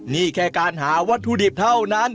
นี่แค่การหาวัตถุดิบเท่านั้น